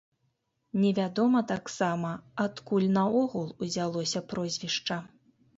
Невядома таксама, адкуль наогул узялося прозвішча.